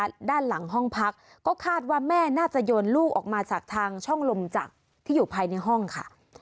ด้านหลังห้องพักก็คาดว่าแม่น่าจะโยนลูกออกมาจากทางช่องลมจักรที่อยู่ภายในห้องค่ะ